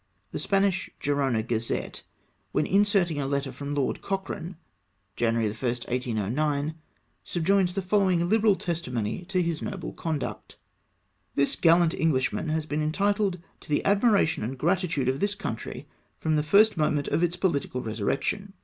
The Spanish Gerona Gazette, when inserting a letter from Lord Cocbrane, January 1, 1809, subjoins the following liberal testimony to bis noble conduct :—" Tbis gallant Englishman has been entitled to the ad miration and gratitude of this country from the first moment of its political resurrection.